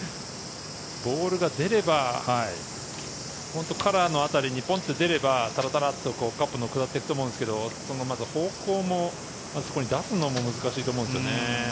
ボールが出ればカラーの辺りに出れば、さらさらっとカップのほうに下っていくと思うんですけれど、方向も出すのも難しいと思うんですよね。